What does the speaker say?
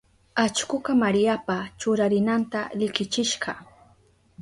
Allkuka Mariapa churarinanta likichishka.